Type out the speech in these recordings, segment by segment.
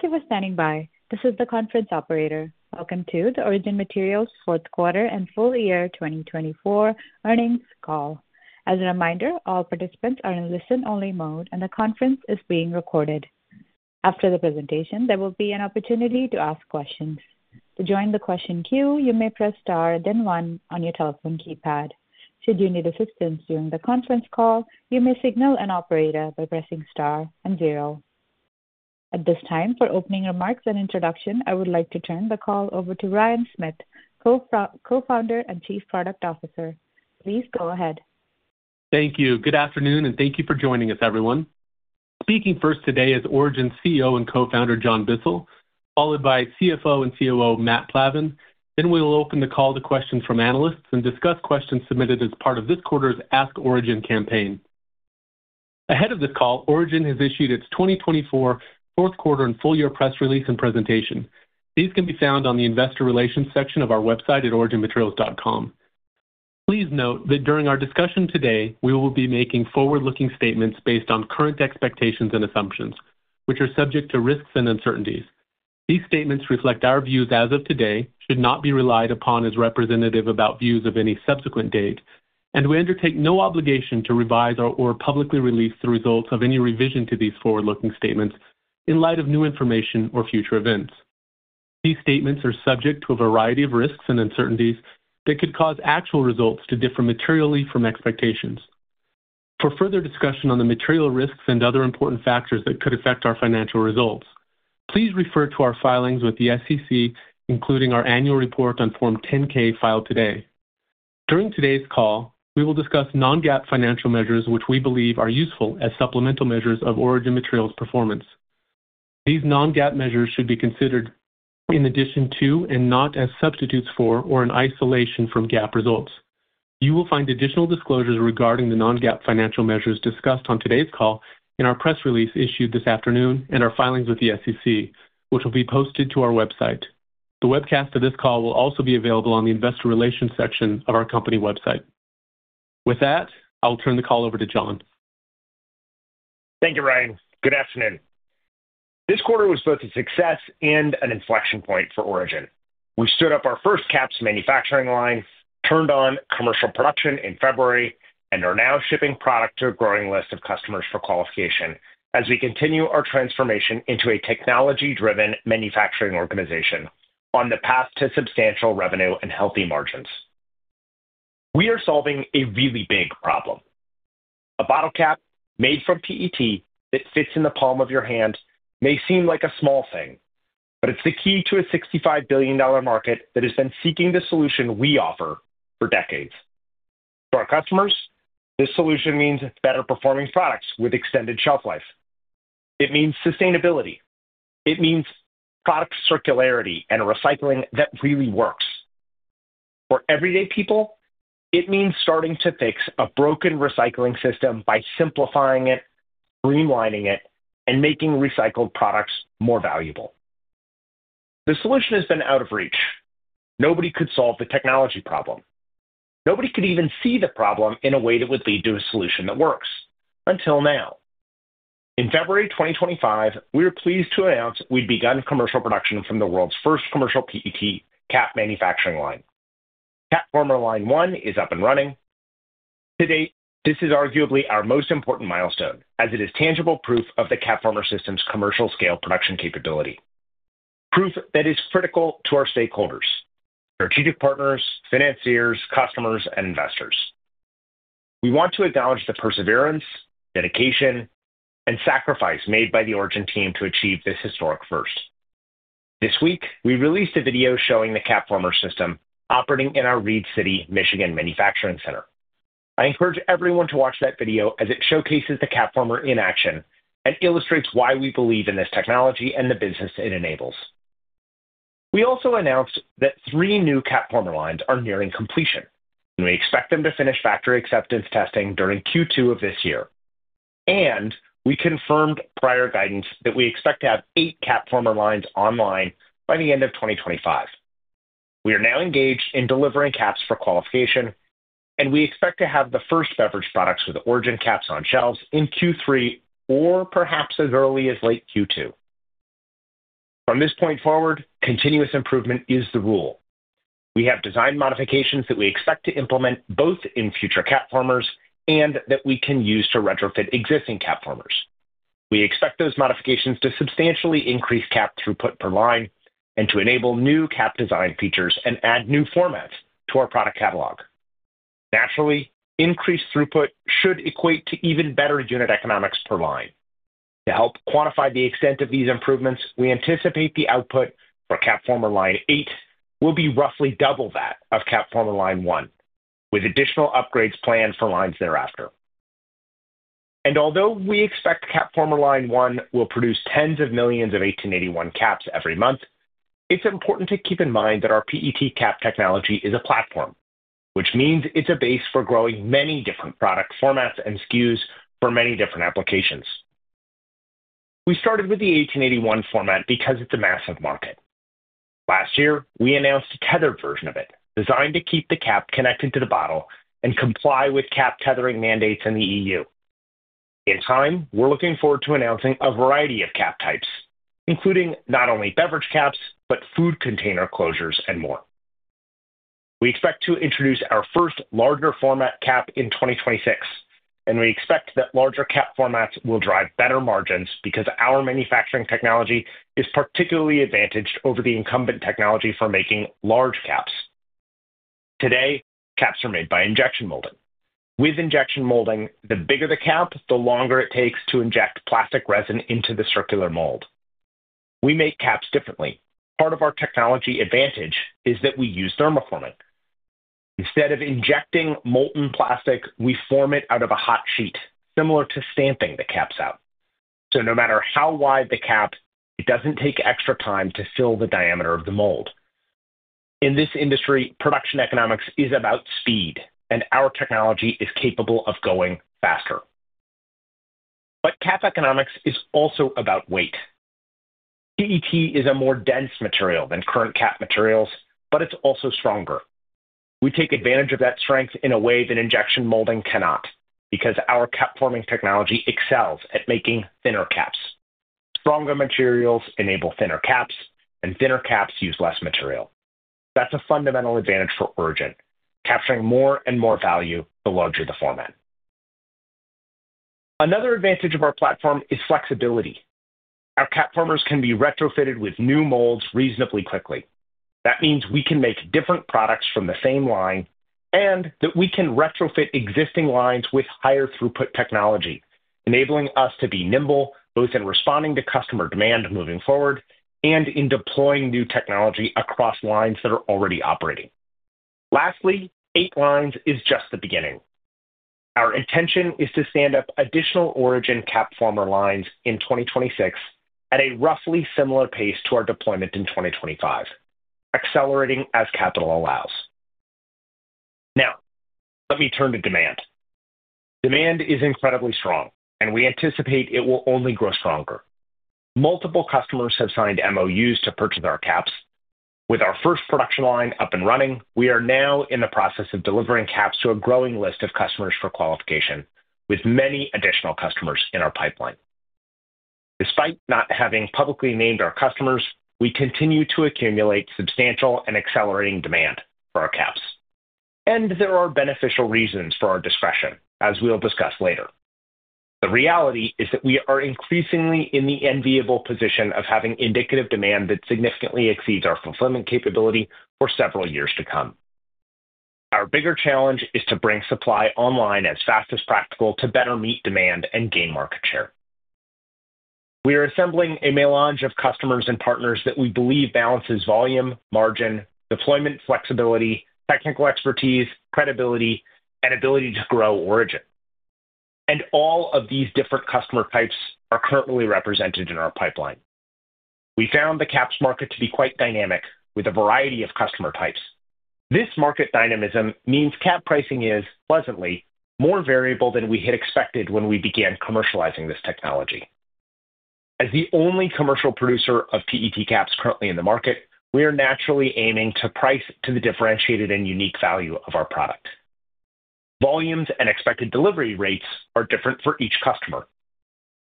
Thank you for standing by. This is the conference operator. Welcome to the Origin Materials fourth quarter and full year 2024 earnings call. As a reminder, all participants are in listen-only mode, and the conference is being recorded. After the presentation, there will be an opportunity to ask questions. To join the question queue, you may press star then one on your telephone keypad. Should you need assistance during the conference call, you may signal an operator by pressing star and zero. At this time, for opening remarks and introduction, I would like to turn the call over to Ryan Smith, Co-Founder and Chief Product Officer. Please go ahead. Thank you. Good afternoon, and thank you for joining us, everyone. Speaking first today is Origin's CEO and Co-Founder, John Bissell, followed by CFO and COO, Matt Plavan. We will open the call to questions from analysts and discuss questions submitted as part of this quarter's Ask Origin campaign. Ahead of this call, Origin has issued its 2024 fourth quarter and full year press release and presentation. These can be found on the investor relations section of our website at originmaterials.com. Please note that during our discussion today, we will be making forward-looking statements based on current expectations and assumptions, which are subject to risks and uncertainties. These statements reflect our views as of today, should not be relied upon as representative about views of any subsequent date, and we undertake no obligation to revise or publicly release the results of any revision to these forward-looking statements in light of new information or future events. These statements are subject to a variety of risks and uncertainties that could cause actual results to differ materially from expectations. For further discussion on the material risks and other important factors that could affect our financial results, please refer to our filings with the SEC, including our Annual Report on Form 10-K filed today. During today's call, we will discuss non-GAAP financial measures, which we believe are useful as supplemental measures of Origin Materials' performance. These non-GAAP measures should be considered in addition to and not as substitutes for or in isolation from GAAP results. You will find additional disclosures regarding the non-GAAP financial measures discussed on today's call in our press release issued this afternoon and our filings with the SEC, which will be posted to our website. The webcast of this call will also be available on the Investor Relations section of our company website. With that, I will turn the call over to John. Thank you, Ryan. Good afternoon. This quarter was both a success and an inflection point for Origin. We stood up our first caps manufacturing line, turned on commercial production in February, and are now shipping product to a growing list of customers for qualification as we continue our transformation into a technology-driven manufacturing organization on the path to substantial revenue and healthy margins. We are solving a really big problem. A bottle cap made from PET that fits in the palm of your hand may seem like a small thing, but it's the key to a $65 billion market that has been seeking the solution we offer for decades. To our customers, this solution means better-performing products with extended shelf life. It means sustainability. It means product circularity and recycling that really works. For everyday people, it means starting to fix a broken recycling system by simplifying it, streamlining it, and making recycled products more valuable. The solution has been out of reach. Nobody could solve the technology problem. Nobody could even see the problem in a way that would lead to a solution that works until now. In February 2025, we were pleased to announce we'd begun commercial production from the world's first commercial PET cap manufacturing line. Line 1 is up and running. To date, this is arguably our most important milestone as it is tangible proof of the CapFormer System's commercial-scale production capability, proof that is critical to our stakeholders, strategic partners, financiers, customers, and investors. We want to acknowledge the perseverance, dedication, and sacrifice made by the Origin team to achieve this historic first. This week, we released a video showing the CapFormer System operating in our Reed City, Michigan, manufacturing center. I encourage everyone to watch that video as it showcases the CapFormer in action and illustrates why we believe in this technology and the business it enables. We also announced that three new CapFormer lines are nearing completion, and we expect them to finish Factory Acceptance Test during Q2 of this year. We confirmed prior guidance that we expect to have eight CapFormer lines online by the end of 2025. We are now engaged in delivering caps for qualification, and we expect to have the first beverage products with Origin caps on shelves in Q3 or perhaps as early as late Q2. From this point forward, continuous improvement is the rule. We have design modifications that we expect to implement both in future CapFormers and that we can use to retrofit existing CapFormers. We expect those modifications to substantially increase cap throughput per line and to enable new cap design features and add new formats to our product catalog. Naturally, increased throughput should equate to even better unit economics per line. To help quantify the extent of these improvements, we anticipate the output for CapFormer Line 8 will be roughly double that of Line 1, with additional upgrades planned for lines thereafter. Although we expect Line 1 will produce tens of millions of 1881 caps every month, it's important to keep in mind that our PET cap technology is a platform, which means it's a base for growing many different product formats and SKUs for many different applications. We started with the 1881 format because it's a massive market. Last year, we announced a tethered version of it, designed to keep the cap connected to the bottle and comply with cap tethering mandates in the EU. In time, we're looking forward to announcing a variety of cap types, including not only beverage caps, but food container closures and more. We expect to introduce our first larger format cap in 2026, and we expect that larger CapFormats will drive better margins because our manufacturing technology is particularly advantaged over the incumbent technology for making large caps. Today, caps are made by injection molding. With injection molding, the bigger the cap, the longer it takes to inject plastic resin into the circular mold. We make caps differently. Part of our technology advantage is that we use thermoforming. Instead of injecting molten plastic, we form it out of a hot sheet, similar to stamping the caps out. No matter how wide the cap, it doesn't take extra time to fill the diameter of the mold. In this industry, production economics is about speed, and our technology is capable of going faster. Cap economics is also about weight. PET is a more dense material than current cap materials, but it's also stronger. We take advantage of that strength in a way that injection molding cannot because our CapForming technology excels at making thinner caps. Stronger materials enable thinner caps, and thinner caps use less material. That's a fundamental advantage for Origin, capturing more and more value the larger the format. Another advantage of our platform is flexibility. Our CapFormers can be retrofitted with new molds reasonably quickly. That means we can make different products from the same line and that we can retrofit existing lines with higher throughput technology, enabling us to be nimble both in responding to customer demand moving forward and in deploying new technology across lines that are already operating. Lastly, eight lines is just the beginning. Our intention is to stand up additional Origin CapFormer lines in 2026 at a roughly similar pace to our deployment in 2025, accelerating as capital allows. Now, let me turn to demand. Demand is incredibly strong, and we anticipate it will only grow stronger. Multiple customers have signed MOUs to purchase our caps. With our first production line up and running, we are now in the process of delivering caps to a growing list of customers for qualification, with many additional customers in our pipeline. Despite not having publicly named our customers, we continue to accumulate substantial and accelerating demand for our caps. There are beneficial reasons for our discretion, as we'll discuss later. The reality is that we are increasingly in the enviable position of having indicative demand that significantly exceeds our fulfillment capability for several years to come. Our bigger challenge is to bring supply online as fast as practical to better meet demand and gain market share. We are assembling a melange of customers and partners that we believe balances volume, margin, deployment flexibility, technical expertise, credibility, and ability to grow Origin. All of these different customer types are currently represented in our pipeline. We found the caps market to be quite dynamic with a variety of customer types. This market dynamism means cap pricing is, pleasantly, more variable than we had expected when we began commercializing this technology. As the only commercial producer of PET caps currently in the market, we are naturally aiming to price to the differentiated and unique value of our product. Volumes and expected delivery rates are different for each customer.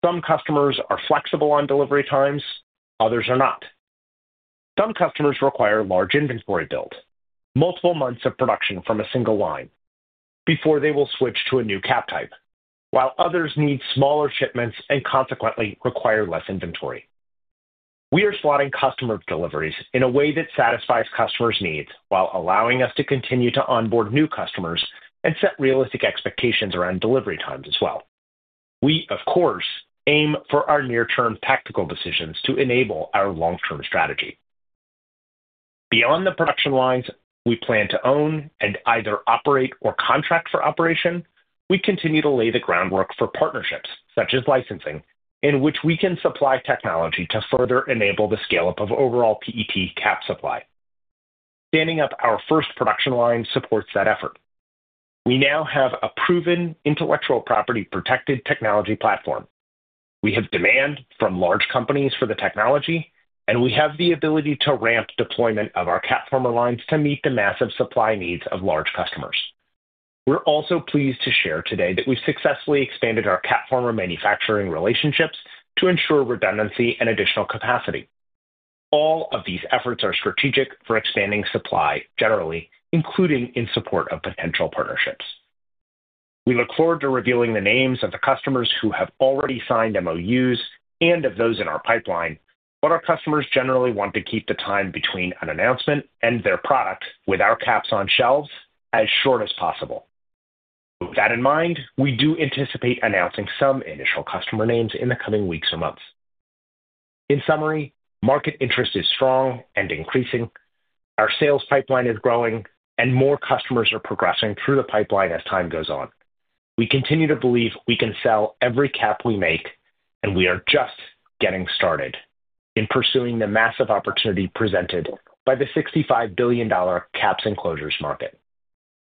Some customers are flexible on delivery times; others are not. Some customers require large inventory build, multiple months of production from a single line before they will switch to a new cap type, while others need smaller shipments and consequently require less inventory. We are slotting customer deliveries in a way that satisfies customers' needs while allowing us to continue to onboard new customers and set realistic expectations around delivery times as well. We, of course, aim for our near-term tactical decisions to enable our long-term strategy. Beyond the production lines, we plan to own and either operate or contract for operation. We continue to lay the groundwork for partnerships, such as licensing, in which we can supply technology to further enable the scale-up of overall PET cap supply. Standing up our first production line supports that effort. We now have a proven intellectual property-protected technology platform. We have demand from large companies for the technology, and we have the ability to ramp deployment of our CapFormer lines to meet the massive supply needs of large customers. We're also pleased to share today that we've successfully expanded our CapFormer manufacturing relationships to ensure redundancy and additional capacity. All of these efforts are strategic for expanding supply generally, including in support of potential partnerships. We look forward to revealing the names of the customers who have already signed MOUs and of those in our pipeline, but our customers generally want to keep the time between an announcement and their product with our caps on shelves as short as possible. With that in mind, we do anticipate announcing some initial customer names in the coming weeks or months. In summary, market interest is strong and increasing. Our sales pipeline is growing, and more customers are progressing through the pipeline as time goes on. We continue to believe we can sell every cap we make, and we are just getting started in pursuing the massive opportunity presented by the $65 billion caps and closures market.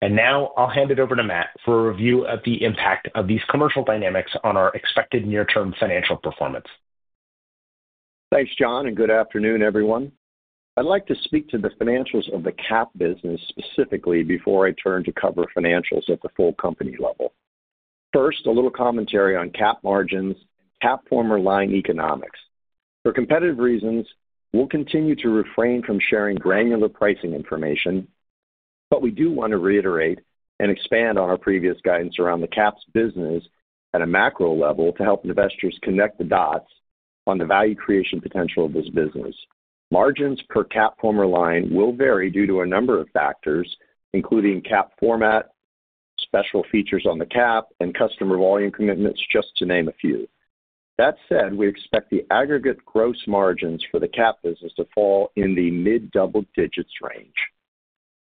Now I'll hand it over to Matt for a review of the impact of these commercial dynamics on our expected near-term financial performance. Thanks, John, and good afternoon, everyone. I'd like to speak to the financials of the cap business specifically before I turn to cover financials at the full company level. First, a little commentary on cap margins and CapFormer line economics. For competitive reasons, we'll continue to refrain from sharing granular pricing information, but we do want to reiterate and expand on our previous guidance around the caps business at a macro level to help investors connect the dots on the value creation potential of this business. Margins per CapFormer line will vary due to a number of factors, including CapFormat, special features on the cap, and customer volume commitments, just to name a few. That said, we expect the aggregate gross margins for the cap business to fall in the mid-double digits range.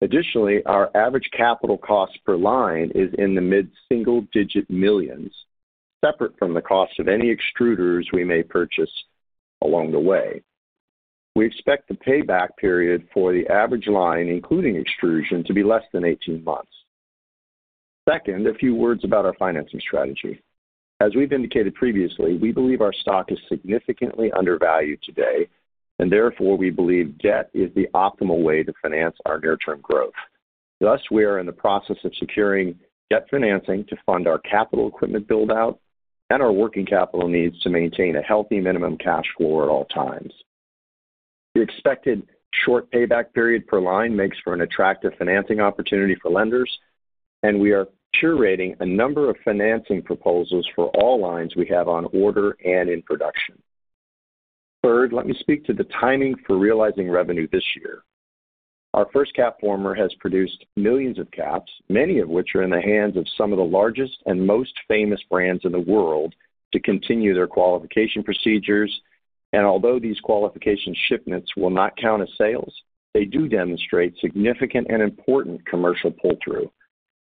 Additionally, our average capital cost per line is in the mid-single digit millions, separate from the cost of any extruders we may purchase along the way. We expect the payback period for the average line, including extrusion, to be less than 18 months. Second, a few words about our financing strategy. As we've indicated previously, we believe our stock is significantly undervalued today, and therefore we believe debt is the optimal way to finance our near-term growth. Thus, we are in the process of securing debt financing to fund our capital equipment build-out and our working capital needs to maintain a healthy minimum cash flow at all times. The expected short payback period per line makes for an attractive financing opportunity for lenders, and we are curating a number of financing proposals for all lines we have on order and in production. Third, let me speak to the timing for realizing revenue this year. Our first CapFormer has produced millions of caps, many of which are in the hands of some of the largest and most famous brands in the world to continue their qualification procedures. Although these qualification shipments will not count as sales, they do demonstrate significant and important commercial pull-through.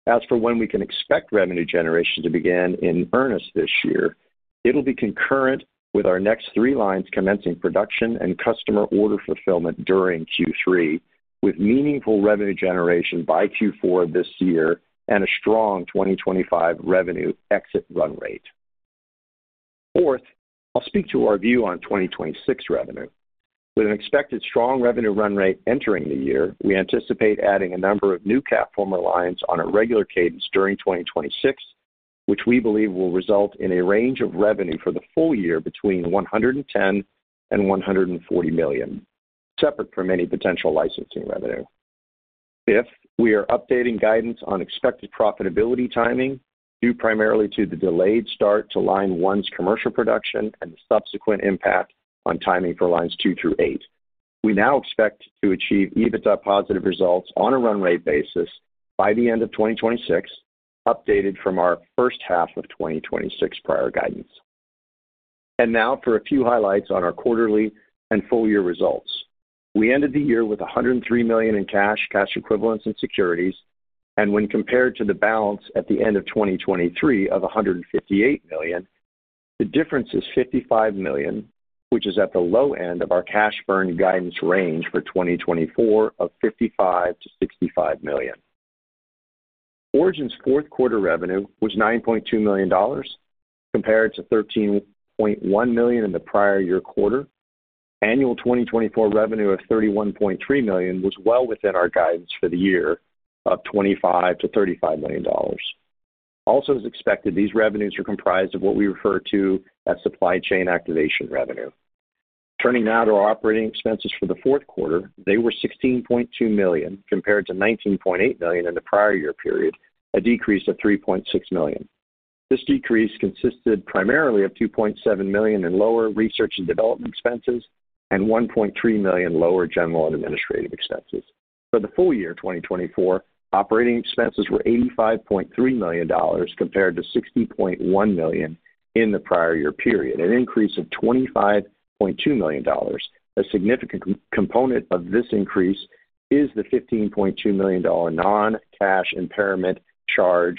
As for when we can expect revenue generation to begin in earnest this year, it'll be concurrent with our next three lines commencing production and customer order fulfillment during Q3, with meaningful revenue generation by Q4 this year and a strong 2025 revenue exit run rate. Fourth, I'll speak to our view on 2026 revenue. With an expected strong revenue run rate entering the year, we anticipate adding a number of new CapFormer lines on a regular cadence during 2026, which we believe will result in a range of revenue for the full year between $110 million and $140 million, separate from any potential licensing revenue. Fifth, we are updating guidance on expected profitability timing, due primarily to the delayed start Line 1's commercial production and the subsequent impact on timing for Lines 1 through 8. We now expect to achieve EBITDA positive results on a run rate basis by the end of 2026, updated from our first half of 2026 prior guidance. Now for a few highlights on our quarterly and full year results. We ended the year with $103 million in cash, cash equivalents, and securities, and when compared to the balance at the end of 2023 of $158 million, the difference is $55 million, which is at the low end of our cash burn guidance range for 2024 of $55 million-$65 million. Origin's fourth quarter revenue was $9.2 million compared to $13.1 million in the prior year quarter. Annual 2024 revenue of $31.3 million was well within our guidance for the year of $25 million-$35 million. Also, as expected, these revenues are comprised of what we refer to as supply chain activation revenue. Turning now to our operating expenses for the fourth quarter, they were $16.2 million compared to $19.8 million in the prior year period, a decrease of $3.6 million. This decrease consisted primarily of $2.7 million in lower research and development expenses and $1.3 million lower general and administrative expenses. For the full year 2024, operating expenses were $85.3 million compared to $60.1 million in the prior year period, an increase of $25.2 million. A significant component of this increase is the $15.2 million non-cash impairment charge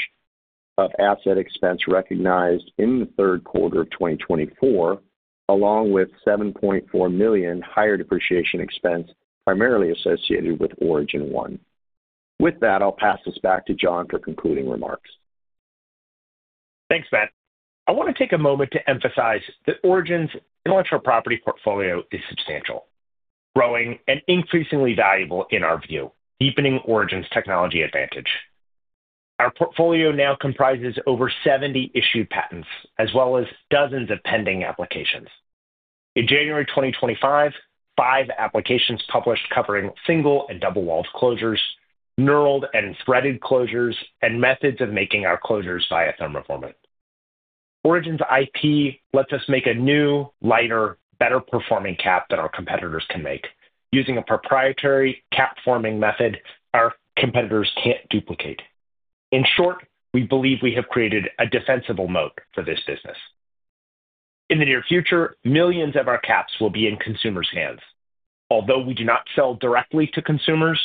of asset expense recognized in the third quarter of 2024, along with $7.4 million higher depreciation expense primarily associated with Origin One. With that, I'll pass this back to John for concluding remarks. Thanks, Matt. I want to take a moment to emphasize that Origin's intellectual property portfolio is substantial, growing, and increasingly valuable in our view, deepening Origin's technology advantage. Our portfolio now comprises over 70 issued patents, as well as dozens of pending applications. In January 2025, five applications published covering single and double walled closures, knurled and threaded closures, and methods of making our closures via thermoforming. Origin's IP lets us make a new, lighter, better performing cap than our competitors can make. Using a proprietary CapForming method, our competitors can't duplicate. In short, we believe we have created a defensible moat for this business. In the near future, millions of our caps will be in consumers' hands. Although we do not sell directly to consumers,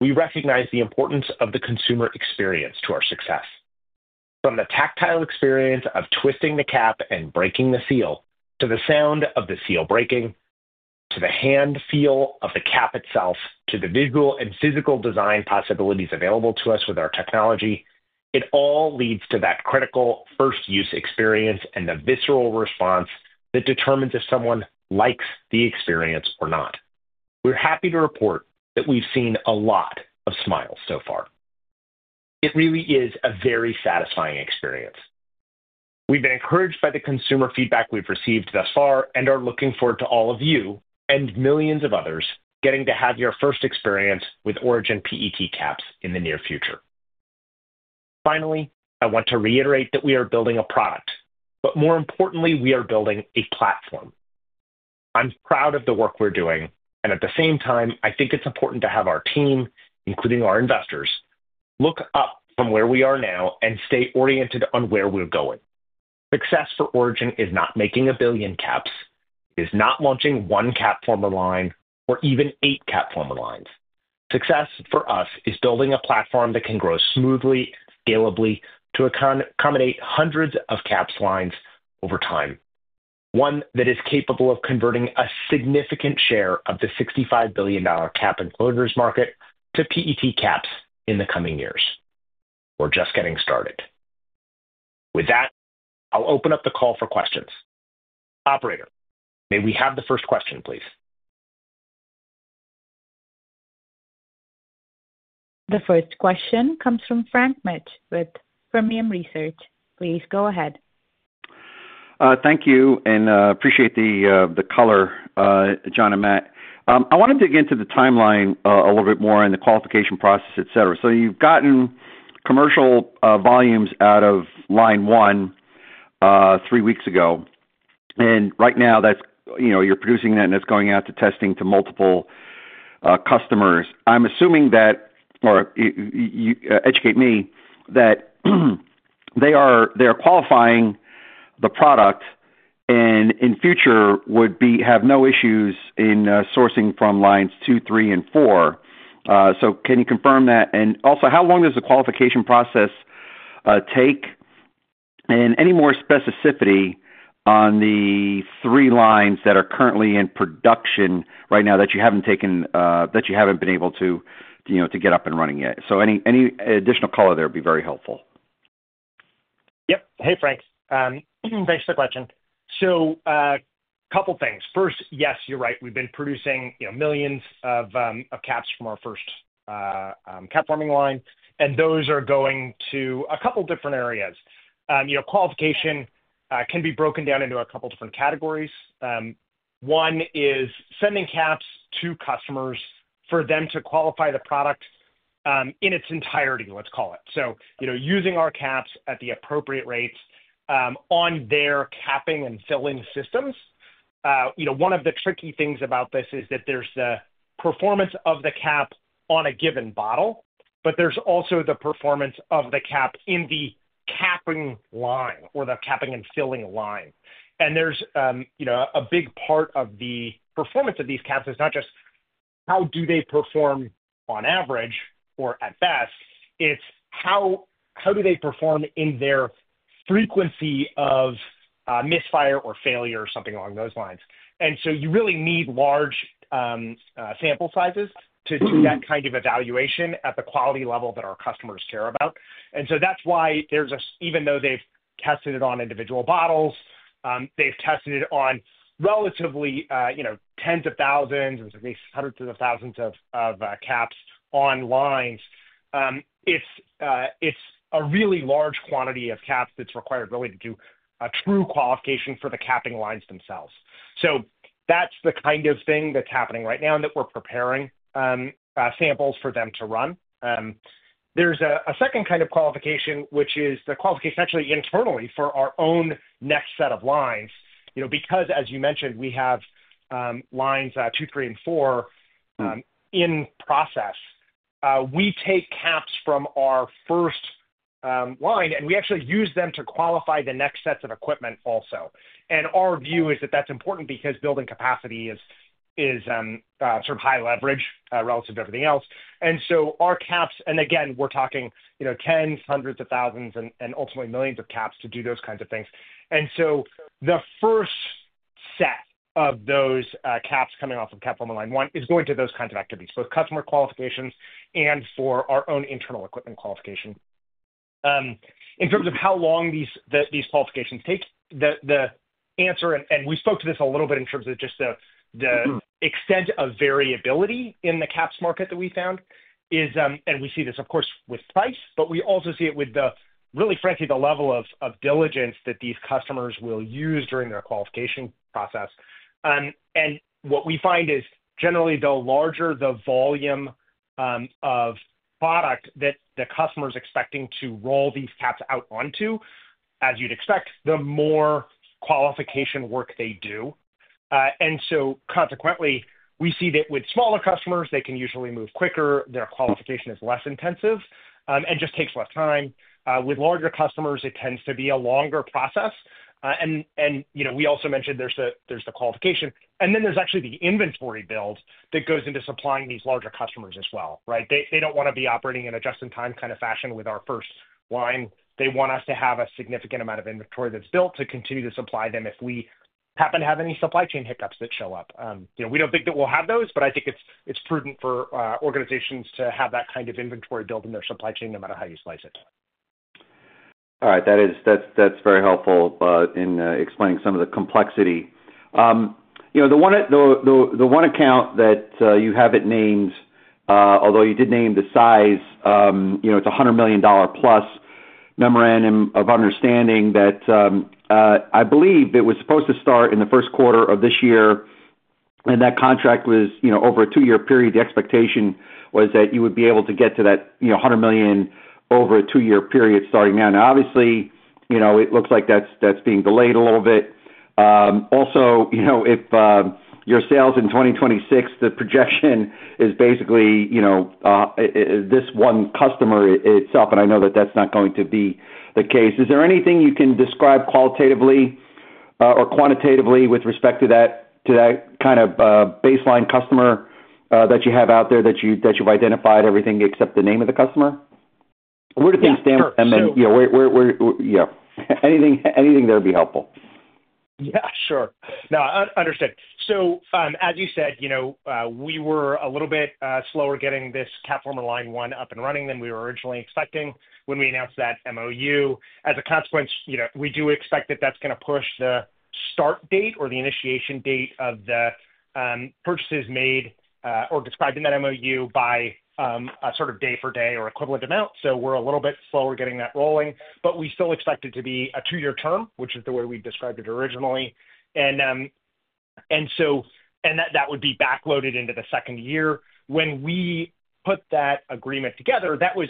we recognize the importance of the consumer experience to our success. From the tactile experience of twisting the cap and breaking the seal, to the sound of the seal breaking, to the hand feel of the cap itself, to the visual and physical design possibilities available to us with our technology, it all leads to that critical first use experience and the visceral response that determines if someone likes the experience or not. We're happy to report that we've seen a lot of smiles so far. It really is a very satisfying experience. We've been encouraged by the consumer feedback we've received thus far and are looking forward to all of you and millions of others getting to have your first experience with Origin PET caps in the near future. Finally, I want to reiterate that we are building a product, but more importantly, we are building a platform. I'm proud of the work we're doing, and at the same time, I think it's important to have our team, including our investors, look up from where we are now and stay oriented on where we're going. Success for Origin is not making a billion caps. It is not launching one CapFormer line or even eight CapFormer lines. Success for us is building a platform that can grow smoothly and scalably to accommodate hundreds of caps lines over time, one that is capable of converting a significant share of the $65 billion cap and closures market to PET caps in the coming years. We're just getting started. With that, I'll open up the call for questions. Operator, may we have the first question, please? The first question comes from Frank Mitsch with Fermium Research. Please go ahead. Thank you, and I appreciate the color, John and Matt. I want to dig into the timeline a little bit more and the qualification process, etc. You have gotten commercial volumes out Line 1 three weeks ago, and right now you are producing that, and it is going out to testing to multiple customers. I am assuming that, or educate me, that they are qualifying the product and in future would have no issues in sourcing from Lines 2, 3, and 4. Can you confirm that? Also, how long does the qualification process take? Any more specificity on the three lines that are currently in production right now that you have not taken, that you have not been able to get up and running yet? Any additional color there would be very helpful. Yep. Hey, Frank. Thanks for the question. A couple of things. First, yes, you're right. We've been producing millions of caps from our first CapForming line, and those are going to a couple of different areas. Qualification can be broken down into a couple of different categories. One is sending caps to customers for them to qualify the product in its entirety, let's call it. Using our caps at the appropriate rates on their capping and filling systems. One of the tricky things about this is that there's the performance of the cap on a given bottle, but there's also the performance of the cap in the capping line or the capping and filling line. A big part of the performance of these caps is not just how do they perform on average or at best, it's how do they perform in their frequency of misfire or failure or something along those lines. You really need large sample sizes to do that kind of evaluation at the quality level that our customers care about. That's why, even though they've tested it on individual bottles, they've tested it on relatively tens of thousands and hundreds of thousands of caps on lines. It's a really large quantity of caps that's required to do a true qualification for the capping lines themselves. That's the kind of thing that's happening right now and that we're preparing samples for them to run. There's a second kind of qualification, which is the qualification actually internally for our own next set of lines. Because, as you mentioned, we have lines two, three, and four in process. We take caps from our first line, and we actually use them to qualify the next sets of equipment also. Our view is that that's important because building capacity is sort of high leverage relative to everything else. Our caps, and again, we're talking tens, hundreds of thousands, and ultimately millions of caps to do those kinds of things. The first set of those caps coming off of Line 1 is going to those kinds of activities, both customer qualifications and for our own internal equipment qualification. In terms of how long these qualifications take, the answer, and we spoke to this a little bit in terms of just the extent of variability in the caps market that we found, we see this, of course, with price, but we also see it with the, really frankly, the level of diligence that these customers will use during their qualification process. What we find is generally, the larger the volume of product that the customer is expecting to roll these caps out onto, as you'd expect, the more qualification work they do. Consequently, we see that with smaller customers, they can usually move quicker, their qualification is less intensive, and just takes less time. With larger customers, it tends to be a longer process. We also mentioned there's the qualification, and then there's actually the inventory build that goes into supplying these larger customers as well, right? They don't want to be operating in a just-in-time kind of fashion with our first line. They want us to have a significant amount of inventory that's built to continue to supply them if we happen to have any supply chain hiccups that show up. We don't think that we'll have those, but I think it's prudent for organizations to have that kind of inventory built in their supply chain, no matter how you slice it. All right. That's very helpful in explaining some of the complexity. The one account that you have, it named, although you did name the size, it's a $100 million+ memorandum of understanding that I believe it was supposed to start in the first quarter of this year, and that contract was over a two-year period. The expectation was that you would be able to get to that $100 million over a two-year period starting now. Now, obviously, it looks like that's being delayed a little bit. Also, if your sales in 2026, the projection is basically this one customer itself, and I know that that's not going to be the case. Is there anything you can describe qualitatively or quantitatively with respect to that kind of baseline customer that you have out there that you've identified, everything except the name of the customer? Where do things stand with them? Anything there would be helpful. Yeah, sure. No, understood. As you said, we were a little bit slower getting this Line 1 up and running than we were originally expecting when we announced that MOU. As a consequence, we do expect that that is going to push the start date or the initiation date of the purchases made or described in that MOU by a sort of day-for-day or equivalent amount. We are a little bit slower getting that rolling, but we still expect it to be a two-year term, which is the way we described it originally. That would be backloaded into the second year. When we put that agreement together, that was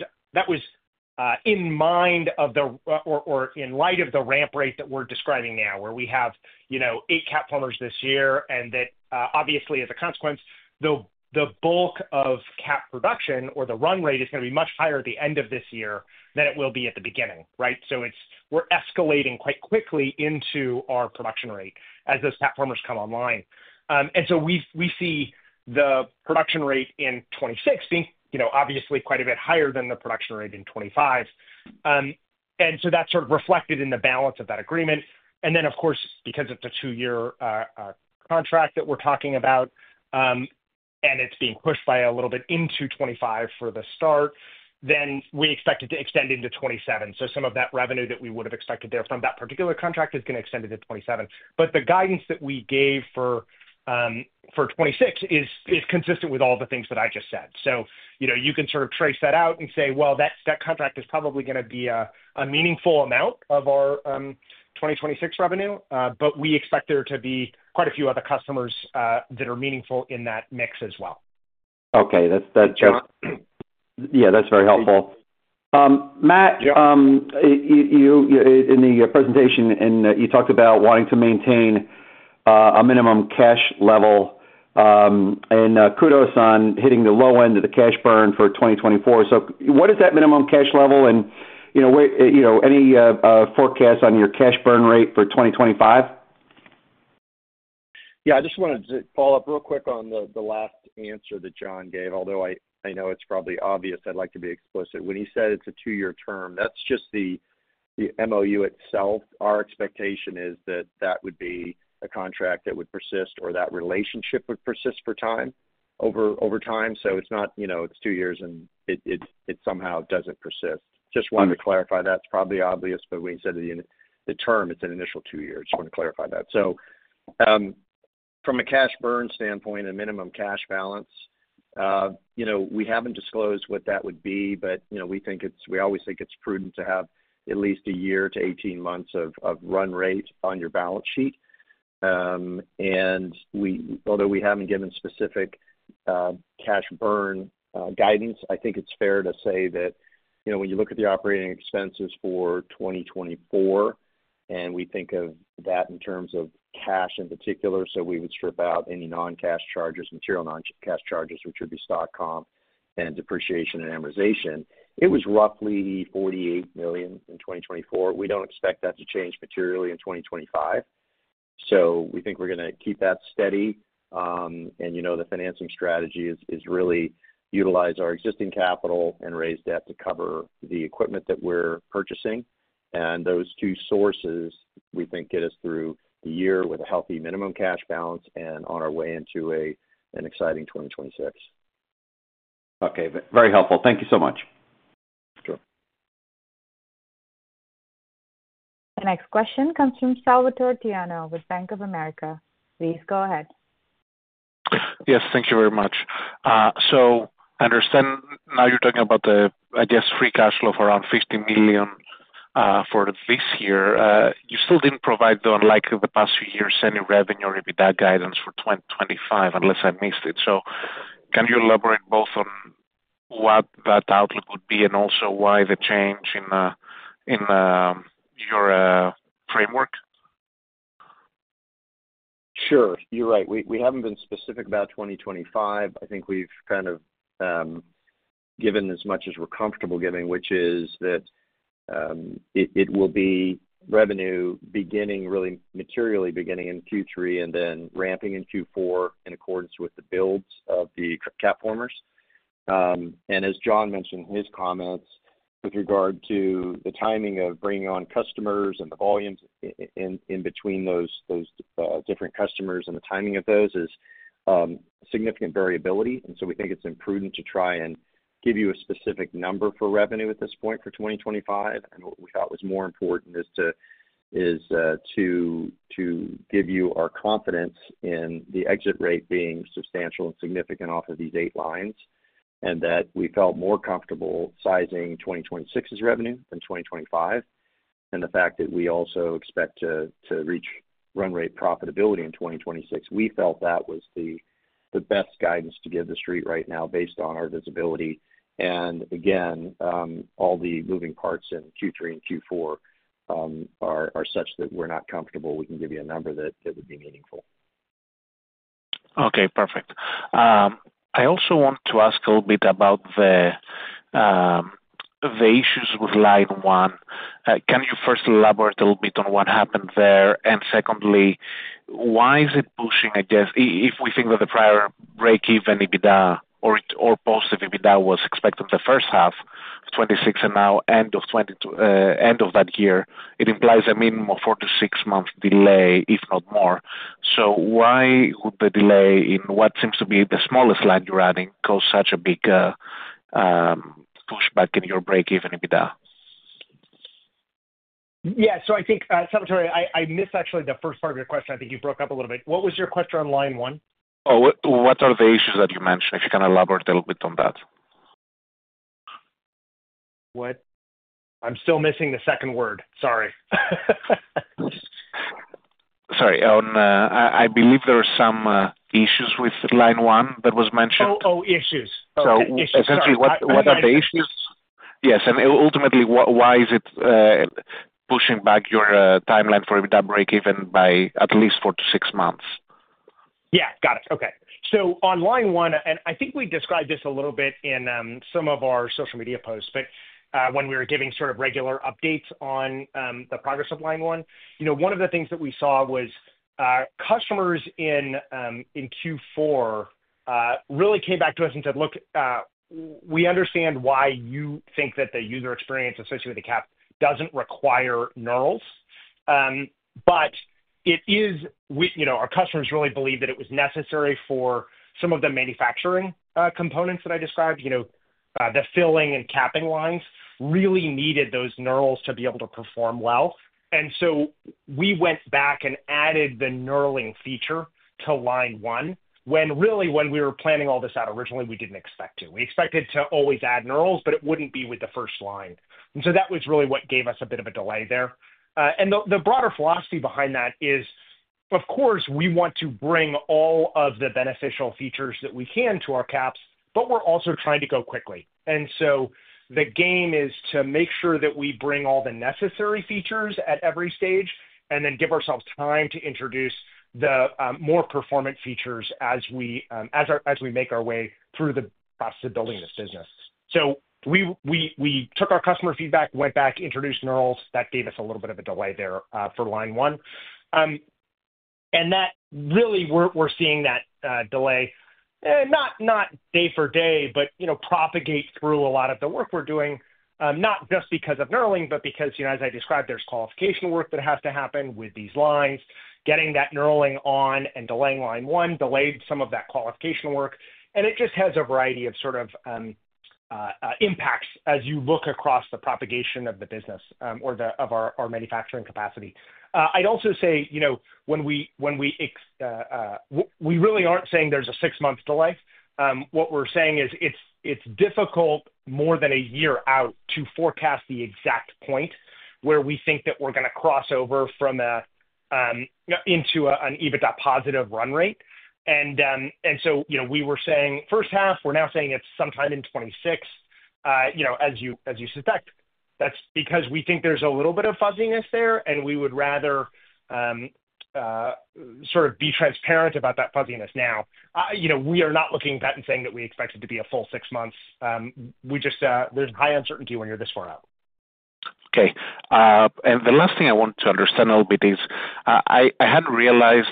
in mind of the or in light of the ramp rate that we're describing now, where we have eight CapFormers this year, and that obviously, as a consequence, the bulk of cap production or the run rate is going to be much higher at the end of this year than it will be at the beginning, right? We are escalating quite quickly into our production rate as those CapFormers come online. We see the production rate in 2026 being, obviously, quite a bit higher than the production rate in 2025. That is sort of reflected in the balance of that agreement. Of course, because it's a two-year contract that we're talking about, and it's being pushed by a little bit into 2025 for the start, we expect it to extend into 2027. Some of that revenue that we would have expected there from that particular contract is going to extend into 2027. The guidance that we gave for 2026 is consistent with all the things that I just said. You can sort of trace that out and say, "Well, that contract is probably going to be a meaningful amount of our 2026 revenue," but we expect there to be quite a few other customers that are meaningful in that mix as well. Okay. Yeah, that's very helpful. Matt, in the presentation, you talked about wanting to maintain a minimum cash level, and kudos on hitting the low end of the cash burn for 2024. What is that minimum cash level? Any forecast on your cash burn rate for 2025? Yeah, I just wanted to follow up real quick on the last answer that John gave, although I know it's probably obvious. I'd like to be explicit. When he said it's a two-year term, that's just the MOU itself. Our expectation is that that would be a contract that would persist or that relationship would persist for time over time. It's not, it's two years, and it somehow doesn't persist. Just wanted to clarify that. It's probably the obvious, but when he said the term, it's an initial two years. Just wanted to clarify that. From a cash burn standpoint, a minimum cash balance, we haven't disclosed what that would be, but we think it's we always think it's prudent to have at least a year to 18 months of run rate on your balance sheet. Although we haven't given specific cash burn guidance, I think it's fair to say that when you look at the operating expenses for 2024, and we think of that in terms of cash in particular, so we would strip out any non-cash charges, material non-cash charges, which would be stock comp and depreciation and amortization, it was roughly $48 million in 2024. We don't expect that to change materially in 2025. We think we're going to keep that steady. The financing strategy is really utilize our existing capital and raise debt to cover the equipment that we're purchasing. Those two sources, we think, get us through the year with a healthy minimum cash balance and on our way into an exciting 2026. Okay. Very helpful. Thank you so much. Sure. The next question comes from Salvador Tiano with Bank of America. Please go ahead. Yes, thank you very much. I understand now you're talking about the, I guess, free cash flow for around $50 million for this year. You still didn't provide, though, in the past few years, any revenue or EBITDA guidance for 2025, unless I missed it. Can you elaborate both on what that outlook would be and also why the change in your framework? Sure. You're right. We haven't been specific about 2025. I think we've kind of given as much as we're comfortable giving, which is that it will be revenue beginning, really materially beginning in Q3 and then ramping in Q4 in accordance with the builds of the CapFormers. As John mentioned in his comments with regard to the timing of bringing on customers and the volumes in between those different customers and the timing of those is significant variability. We think it's prudent to try and give you a specific number for revenue at this point for 2025. What we thought was more important is to give you our confidence in the exit rate being substantial and significant off of these eight lines and that we felt more comfortable sizing 2026's revenue than 2025. The fact that we also expect to reach run rate profitability in 2026, we felt that was the best guidance to give the street right now based on our visibility. Again, all the moving parts in Q3 and Q4 are such that we're not comfortable we can give you a number that would be meaningful. Okay. Perfect. I also want to ask a little bit about the issues Line 1. can you first elaborate a little bit on what happened there? Secondly, why is it pushing, I guess, if we think that the prior break-even EBITDA or positive EBITDA was expected in the first half of 2026 and now end of that year, it implies a minimum of four to six months delay, if not more. Why would the delay in what seems to be the smallest line you're adding cause such a big pushback in your break-even EBITDA? Yeah. I think, Salvator, I missed actually the first part of your question. I think you broke up a little bit. What was your question on Line 1? Oh, what are the issues that you mentioned? If you can elaborate a little bit on that. What? I'm still missing the second word. Sorry. Sorry. I believe there are some issues Line 1 that was mentioned. Oh, issues. Essentially, what are the issues? Yes. And ultimately, why is it pushing back your timeline for EBITDA break-even by at least four to six months? Yeah. Got it. Okay. Line 1, and I think we described this a little bit in some of our social media posts, when we were giving sort of regular updates on the progress Line 1, one of the things that we saw was customers in Q4 really came back to us and said, "Look, we understand why you think that the user experience associated with the cap doesn't require knurling." Our customers really believed that it was necessary for some of the manufacturing components that I described, the filling and capping lines, really needed those knurls to be able to perform well. We went back and added the knurling feature Line 1, when really, when we were planning all this out originally, we didn't expect to. We expected to always add knurls, but it wouldn't be with the first line. That was really what gave us a bit of a delay there. The broader philosophy behind that is, of course, we want to bring all of the beneficial features that we can to our caps, but we're also trying to go quickly. The game is to make sure that we bring all the necessary features at every stage and then give ourselves time to introduce the more performant features as we make our way through the process of building this business. We took our customer feedback, went back, introduced knurling. That gave us a little bit of a delay there Line 1. we are seeing that delay, not day for day, but propagate through a lot of the work we're doing, not just because of knurling, but because, as I described, there's qualification work that has to happen with these lines. Getting that knurling on and Line 1 delayed some of that qualification work. It just has a variety of sort of impacts as you look across the propagation of the business or of our manufacturing capacity. I'd also say we really aren't saying there's a six-month delay. What we're saying is it's difficult more than a year out to forecast the exact point where we think that we're going to cross over into an EBITDA positive run rate. We were saying first half, we're now saying it's sometime in 2026, as you suspect. That's because we think there's a little bit of fuzziness there, and we would rather sort of be transparent about that fuzziness now. We are not looking back and saying that we expected it to be a full six months. There's high uncertainty when you're this far out. Okay. The last thing I want to understand a little bit is I hadn't realized,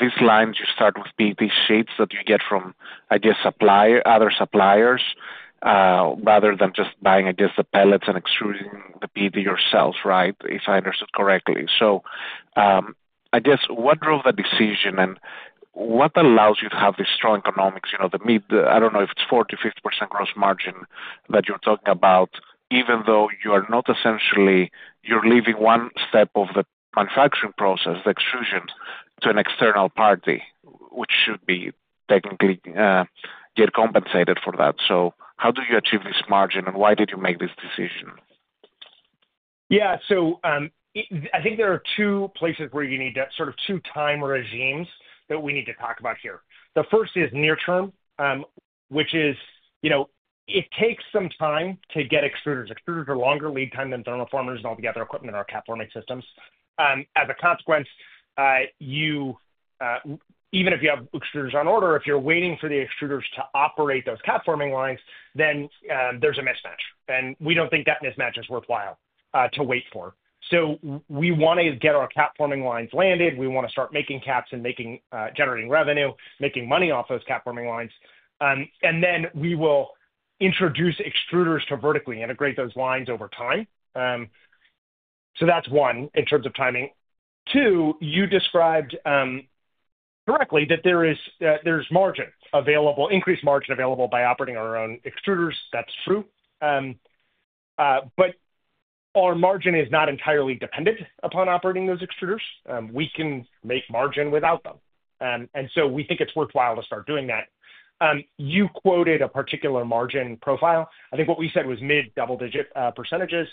these lines you start with PET sheets that you get from, I guess, other suppliers rather than just buying, I guess, the pellets and extruding the PET yourselves, right? If I understood correctly. I guess what drove that decision and what allows you to have this strong economics? I don't know if it's 40%-50% gross margin that you're talking about, even though you are not essentially you're leaving one step of the manufacturing process, the extrusion, to an external party, which should be technically get compensated for that. How do you achieve this margin and why did you make this decision? Yeah. I think there are two places where you need to sort of two time regimes that we need to talk about here. The first is near term, which is it takes some time to get extruders. Extruders are longer lead time than thermal formers and all the other equipment or CapForming systems. As a consequence, even if you have extruders on order, if you're waiting for the extruders to operate those CapForming lines, then there's a mismatch. We don't think that mismatch is worthwhile to wait for. We want to get our CapForming lines landed. We want to start making caps and generating revenue, making money off those CapForming lines. We will introduce extruders to vertically integrate those lines over time. That's one in terms of timing. You described correctly that there's margin available, increased margin available by operating our own extruders. That's true. Our margin is not entirely dependent upon operating those extruders. We can make margin without them. We think it's worthwhile to start doing that. You quoted a particular margin profile. I think what we said was mid-double-digit percentages.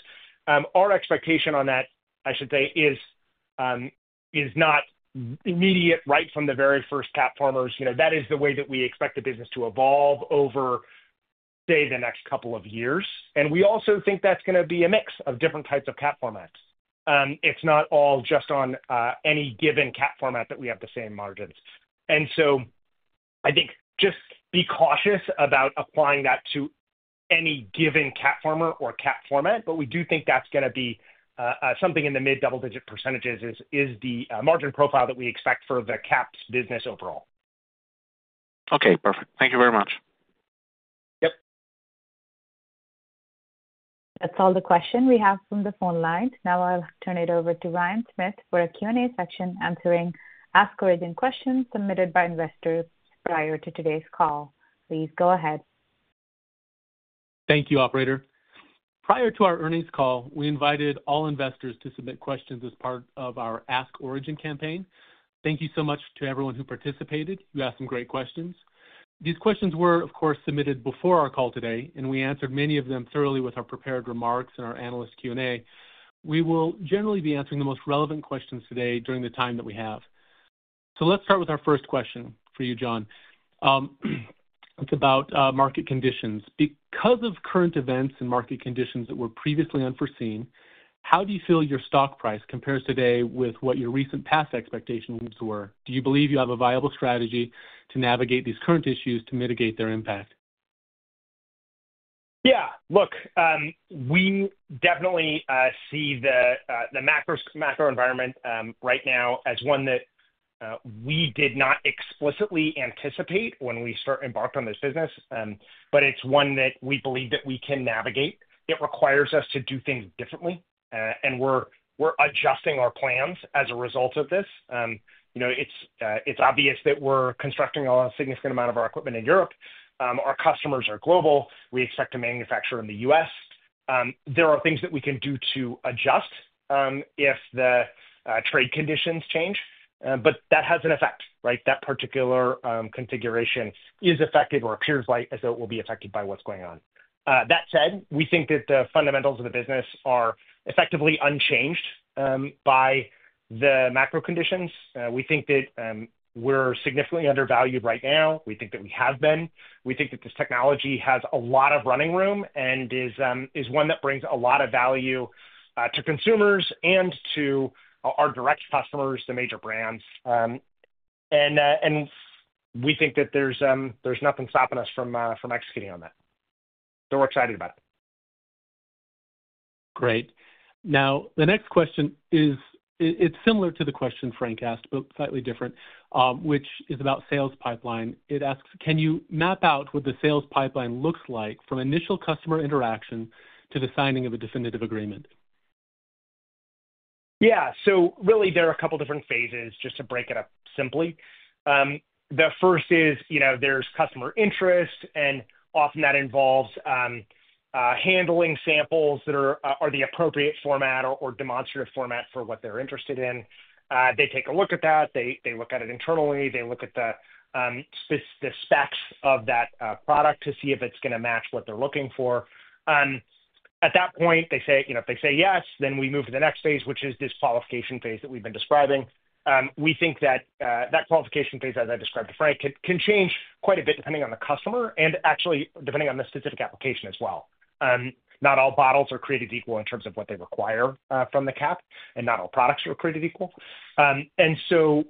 Our expectation on that, I should say, is not immediate right from the very first CapFormers. That is the way that we expect the business to evolve over, say, the next couple of years. We also think that's going to be a mix of different types of CapFormats. It's not all just on any given CapFormat that we have the same margins. I think just be cautious about applying that to any given CapFormer or CapFormat, but we do think that's going to be something in the mid-double-digit percentages is the margin profile that we expect for the caps business overall. Okay. Perfect. Thank you very much. Yep. That's all the questions we have from the phone line. Now I'll turn it over to Ryan Smith for a Q&A section answering Ask Origin questions submitted by investors prior to today's call. Please go ahead. Thank you, operator. Prior to our earnings call, we invited all investors to submit questions as part of our Ask Origin campaign. Thank you so much to everyone who participated. You asked some great questions. These questions were, of course, submitted before our call today, and we answered many of them thoroughly with our prepared remarks and our analyst Q&A. We will generally be answering the most relevant questions today during the time that we have. Let's start with our first question for you, John. It's about market conditions. Because of current events and market conditions that were previously unforeseen, how do you feel your stock price compares today with what your recent past expectations were? Do you believe you have a viable strategy to navigate these current issues to mitigate their impact? Yeah. Look, we definitely see the macro environment right now as one that we did not explicitly anticipate when we embarked on this business, but it's one that we believe that we can navigate. It requires us to do things differently, and we're adjusting our plans as a result of this. It's obvious that we're constructing a significant amount of our equipment in Europe. Our customers are global. We expect to manufacture in the U.S. There are things that we can do to adjust if the trade conditions change, but that has an effect, right? That particular configuration is affected or appears as though it will be affected by what's going on. That said, we think that the fundamentals of the business are effectively unchanged by the macro conditions. We think that we're significantly undervalued right now. We think that we have been. We think that this technology has a lot of running room and is one that brings a lot of value to consumers and to our direct customers, the major brands. We think that there's nothing stopping us from executing on that. We are excited about it. Great. Now, the next question is similar to the question Frank asked, but slightly different, which is about sales pipeline. It asks, can you map out what the sales pipeline looks like from initial customer interaction to the signing of a definitive agreement? Yeah. So really, there are a couple of different phases, just to break it up simply. The first is there's customer interest, and often that involves handling samples that are the appropriate format or demonstrative format for what they're interested in. They take a look at that. They look at it internally. They look at the specs of that product to see if it's going to match what they're looking for. At that point, if they say yes, then we move to the next phase, which is this qualification phase that we've been describing. We think that that qualification phase, as I described to Frank, can change quite a bit depending on the customer and actually depending on the specific application as well. Not all bottles are created equal in terms of what they require from the cap, and not all products are created equal.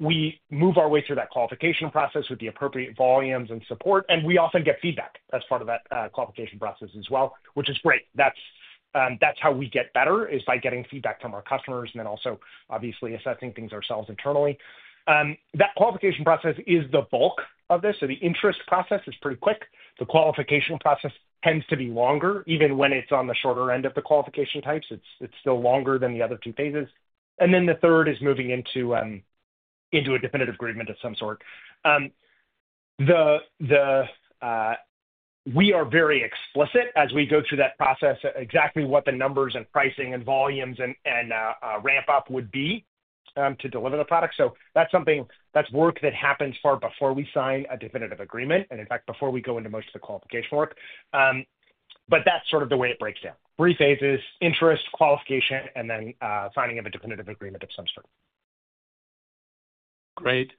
We move our way through that qualification process with the appropriate volumes and support. We often get feedback as part of that qualification process as well, which is great. That is how we get better, by getting feedback from our customers and then also obviously assessing things ourselves internally. That qualification process is the bulk of this. The interest process is pretty quick. The qualification process tends to be longer. Even when it is on the shorter end of the qualification types, it is still longer than the other two phases. The third is moving into a definitive agreement of some sort. We are very explicit as we go through that process, exactly what the numbers and pricing and volumes and ramp-up would be to deliver the product. That's work that happens far before we sign a definitive agreement and, in fact, before we go into most of the qualification work. That's sort of the way it breaks down: three phases: interest, qualification, and then signing of a definitive agreement of some sort. Great.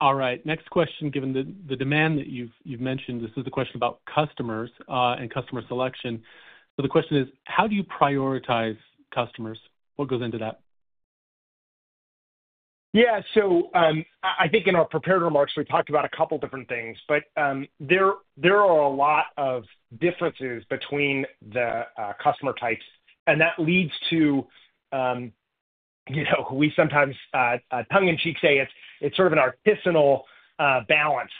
All right. Next question, given the demand that you've mentioned, this is a question about customers and customer selection. The question is, how do you prioritize customers? What goes into that? Yeah. I think in our prepared remarks, we talked about a couple of different things, but there are a lot of differences between the customer types. That leads to, we sometimes tongue-in-cheek say, it's sort of an artisanal balance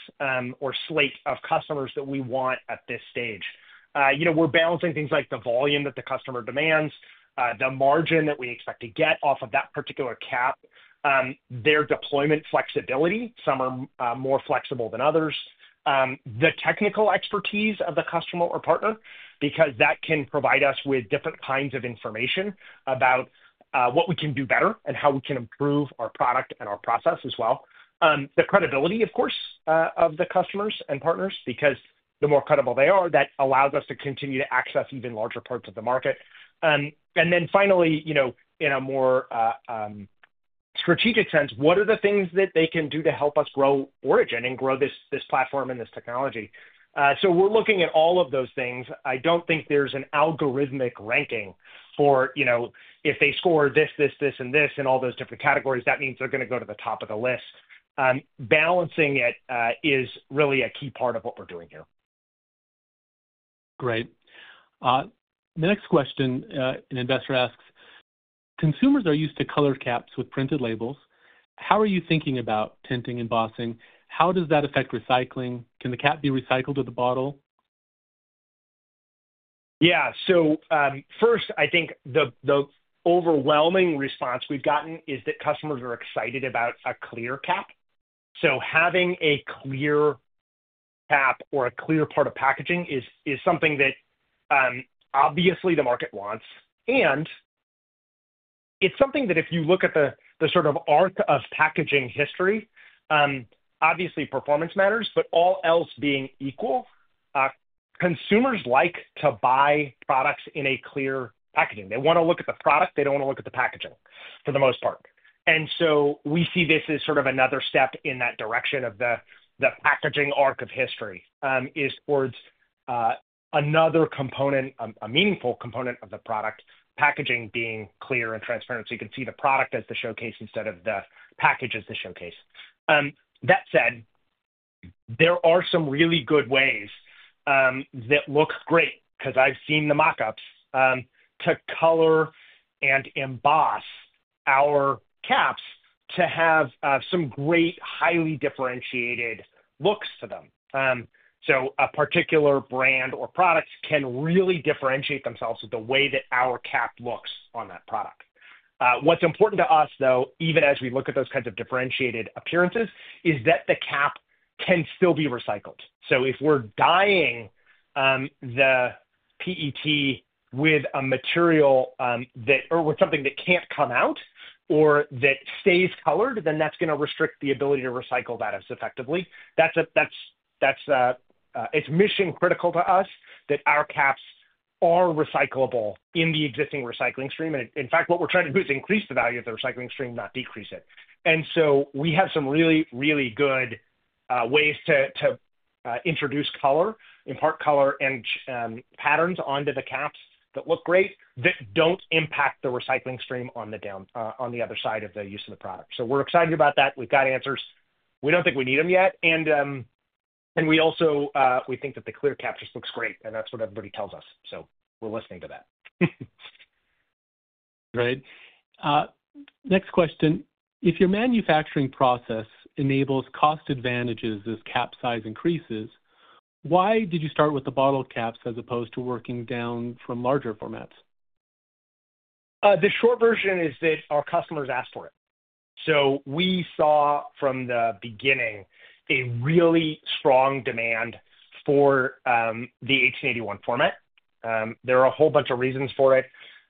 or slate of customers that we want at this stage. We're balancing things like the volume that the customer demands, the margin that we expect to get off of that particular cap, their deployment flexibility. Some are more flexible than others. The technical expertise of the customer or partner, because that can provide us with different kinds of information about what we can do better and how we can improve our product and our process as well. The credibility, of course, of the customers and partners, because the more credible they are, that allows us to continue to access even larger parts of the market. Finally, in a more strategic sense, what are the things that they can do to help us grow Origin and grow this platform and this technology? We are looking at all of those things. I do not think there is an algorithmic ranking for if they score this, this, this, and this in all those different categories, that means they are going to go to the top of the list. Balancing it is really a key part of what we are doing here. Great. The next question, an investor asks, consumers are used to color caps with printed labels. How are you thinking about tinting, embossing? How does that affect recycling? Can the cap be recycled with the bottle? Yeah. First, I think the overwhelming response we've gotten is that customers are excited about a clear cap. Having a clear cap or a clear part of packaging is something that obviously the market wants. If you look at the sort of arc of packaging history, obviously performance matters, but all else being equal, consumers like to buy products in clear packaging. They want to look at the product. They do not want to look at the packaging for the most part. We see this as sort of another step in that direction of the packaging arc of history, towards another component, a meaningful component of the product, packaging being clear and transparent. You can see the product as the showcase instead of the package as the showcase. That said, there are some really good ways that look great because I've seen the mockups to color and emboss our caps to have some great, highly differentiated looks to them. A particular brand or product can really differentiate themselves with the way that our cap looks on that product. What's important to us, though, even as we look at those kinds of differentiated appearances, is that the cap can still be recycled. If we're dyeing the PET with a material or with something that can't come out or that stays colored, then that's going to restrict the ability to recycle that as effectively. It's mission-critical to us that our caps are recyclable in the existing recycling stream. In fact, what we're trying to do is increase the value of the recycling stream, not decrease it. We have some really, really good ways to introduce color, impart color and patterns onto the caps that look great, that do not impact the recycling stream on the other side of the use of the product. We are excited about that. We have answers. We do not think we need them yet. We also think that the clear cap just looks great. That is what everybody tells us. We are listening to that. Great. Next question. If your manufacturing process enables cost advantages as cap size increases, why did you start with the bottle caps as opposed to working down from larger formats? The short version is that our customers asked for it. We saw from the beginning a really strong demand for the 1881 format. There are a whole bunch of reasons for it.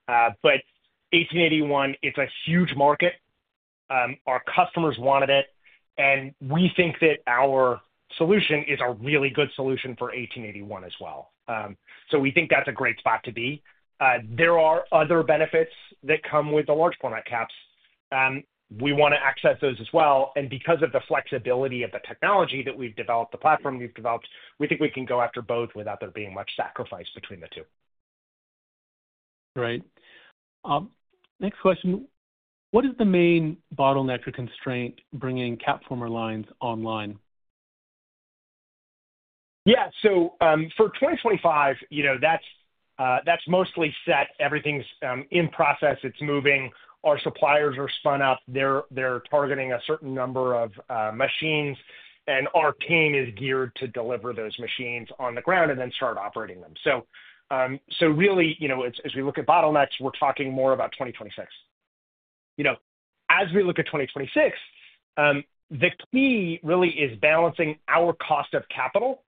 1881, it's a huge market. Our customers wanted it. We think that our solution is a really good solution for 1881 as well. We think that's a great spot to be. There are other benefits that come with the large format caps. We want to access those as well. Because of the flexibility of the technology that we've developed, the platform we've developed, we think we can go after both without there being much sacrifice between the two. Great. Next question. What is the main bottleneck or constraint bringing CapFormer lines online? Yeah. For 2025, that's mostly set. Everything's in process. It's moving. Our suppliers are spun up. They're targeting a certain number of machines. Our team is geared to deliver those machines on the ground and then start operating them. Really, as we look at bottlenecks, we're talking more about 2026. As we look at 2026, the key really is balancing our cost of capital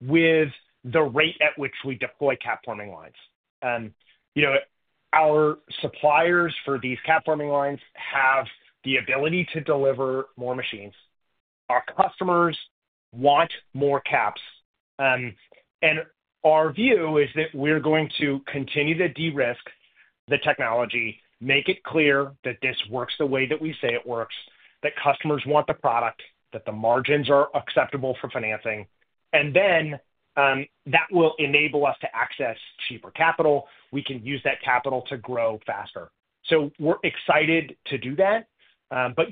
with the rate at which we deploy capforming lines. Our suppliers for these capforming lines have the ability to deliver more machines. Our customers want more caps. Our view is that we're going to continue to de-risk the technology, make it clear that this works the way that we say it works, that customers want the product, that the margins are acceptable for financing. That will enable us to access cheaper capital. We can use that capital to grow faster. We're excited to do that.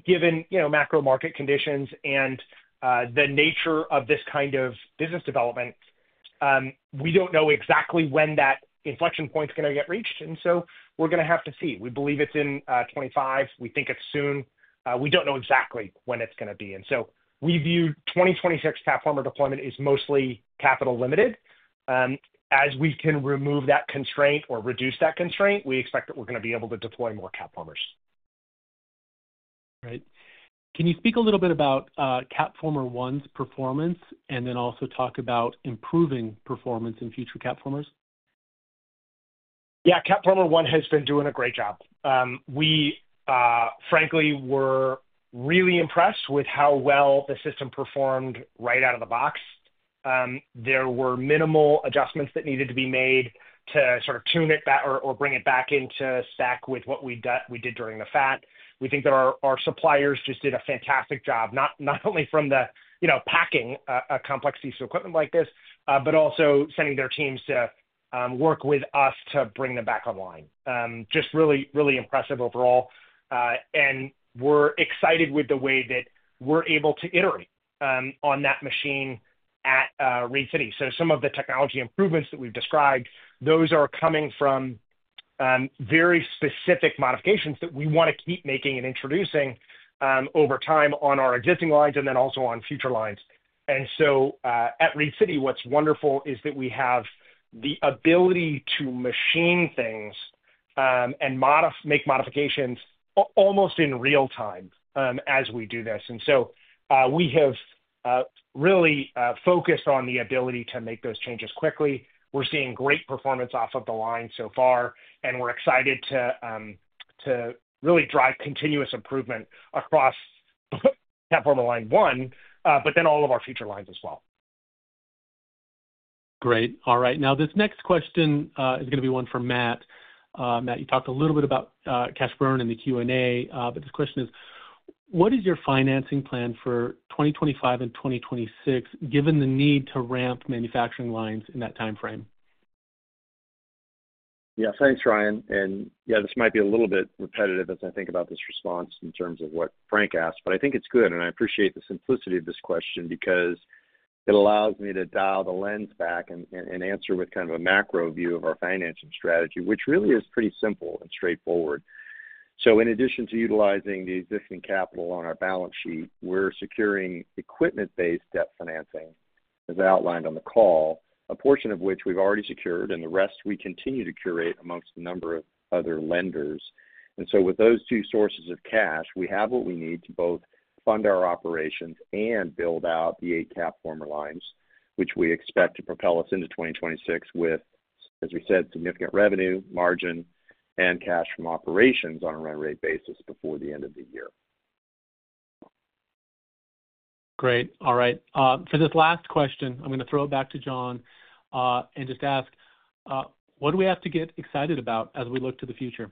Given macro market conditions and the nature of this kind of business development, we don't know exactly when that inflection point's going to get reached. We're going to have to see. We believe it's in 2025. We think it's soon. We don't know exactly when it's going to be. We view 2026 CapFormer deployment as mostly capital-limited. As we can remove that constraint or reduce that constraint, we expect that we're going to be able to deploy more CapFormers. Great. Can you speak a little bit about CapFormer 1's performance and then also talk about improving performance in future CapFormers? Yeah. CapFormer 1 has been doing a great job. We, frankly, were really impressed with how well the system performed right out of the box. There were minimal adjustments that needed to be made to sort of tune it or bring it back into spec with what we did during the FAT. We think that our suppliers just did a fantastic job, not only from the packing a complex piece of equipment like this, but also sending their teams to work with us to bring them back online. Just really, really impressive overall. We are excited with the way that we are able to iterate on that machine at Reed City. Some of the technology improvements that we have described, those are coming from very specific modifications that we want to keep making and introducing over time on our existing lines and then also on future lines. At Reed City, what's wonderful is that we have the ability to machine things and make modifications almost in real time as we do this. We have really focused on the ability to make those changes quickly. We're seeing great performance off of the line so far. We're excited to really drive continuous improvement across Line 1, but then all of our future lines as well. Great. All right. Now, this next question is going to be one for Matt. Matt, you talked a little bit about cash burn in the Q&A, but this question is, what is your financing plan for 2025 and 2026, given the need to ramp manufacturing lines in that timeframe? Yeah. Thanks, Ryan. This might be a little bit repetitive as I think about this response in terms of what Frank asked, but I think it's good. I appreciate the simplicity of this question because it allows me to dial the lens back and answer with kind of a macro view of our financing strategy, which really is pretty simple and straightforward. In addition to utilizing the existing capital on our balance sheet, we're securing equipment-based debt financing, as outlined on the call, a portion of which we've already secured, and the rest we continue to curate amongst a number of other lenders. With those two sources of cash, we have what we need to both fund our operations and build out the eight CapFormer lines, which we expect to propel us into 2026 with, as we said, significant revenue, margin, and cash from operations on a run rate basis before the end of the year. Great. All right. For this last question, I'm going to throw it back to John and just ask, what do we have to get excited about as we look to the future?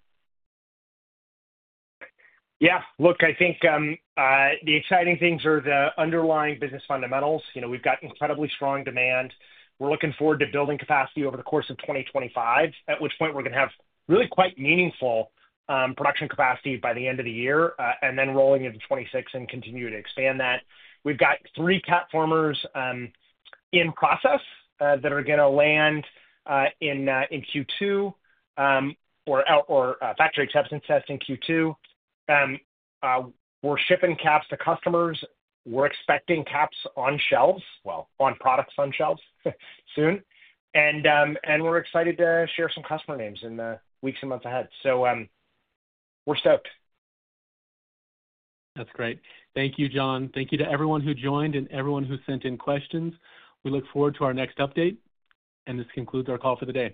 Yeah. Look, I think the exciting things are the underlying business fundamentals. We've got incredibly strong demand. We're looking forward to building capacity over the course of 2025, at which point we're going to have really quite meaningful production capacity by the end of the year, and then rolling into 2026 and continue to expand that. We've got three CapFormers in process that are going to land in Q2 or Factory Acceptance Test in Q2. We're shipping caps to customers. We're expecting caps on shelves, well, on products on shelves soon. We're excited to share some customer names in the weeks and months ahead. We're stoked. That's great. Thank you, John. Thank you to everyone who joined and everyone who sent in questions. We look forward to our next update. This concludes our call for today.